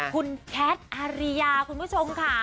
คุณแคทอาริยาคุณผู้ชมค่ะ